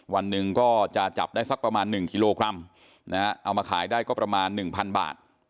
วันหนึ่งก็จะจับได้สักประมาณหนึ่งกิโลกรัมนะครับเอามาขายได้ก็ประมาณหนึ่งพันบาท